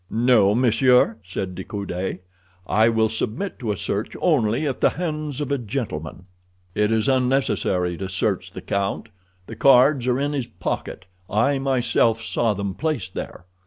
"No, monsieur," said De Coude. "I will submit to a search only at the hands of a gentleman." "It is unnecessary to search the count. The cards are in his pocket. I myself saw them placed there."